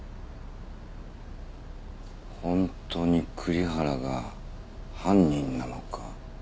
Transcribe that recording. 本当に栗原が犯人なのか。